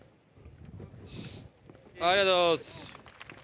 ありがとうございます。